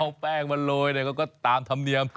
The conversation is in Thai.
ผ้าแป้งมาโลยเลยตามธรรมเนียม